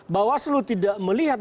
bawaslu tidak melihat